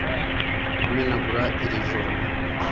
kumenagura iri joro,